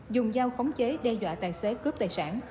dùng dao khống chế đe dọa tài xế cướp tài sản